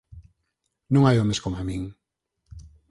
Non hai homes coma min.